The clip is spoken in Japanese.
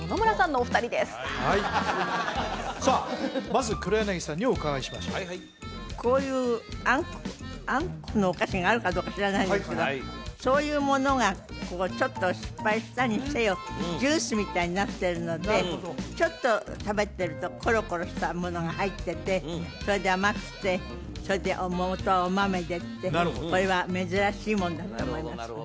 まず黒柳さんにお伺いしましょうこういうあんこのお菓子があるかどうか知らないんですけどそういうものがちょっと失敗したにせよジュースみたいになってるのでちょっと食べてるとコロコロしたものが入っててそれで甘くてそれで大本はお豆でってこれは珍しいものだって思います